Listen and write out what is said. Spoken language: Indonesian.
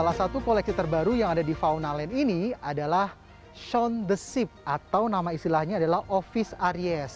salah satu koleksi terbaru yang ada di fauna land ini adalah show the ship atau nama istilahnya adalah office areas